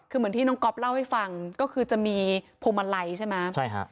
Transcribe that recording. คือเหมือนที่น้องก๊อฟเล่าให้ฟังก็คือจะมีพวงมาลัยใช่ไหมใช่ฮะ